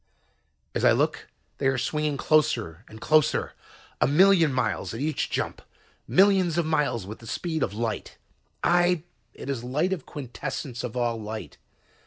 "As I look, they are swinging closer and closer, a million miles at each jump. Millions of miles with the speed of light. Aye, it is light of quintessence of all light.